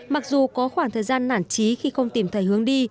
mặc dù có khoảng thời gian nản trí khi không tìm thấy hướng đi